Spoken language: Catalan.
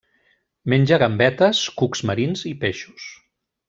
Menja gambetes, cucs marins i peixos.